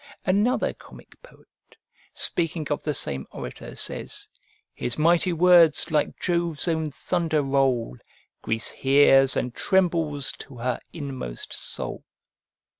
Another comic poet, speaking of the same orator, says: "His mighty words like Jove's own thunder roll; Greece hears, and trembles to her inmost soul."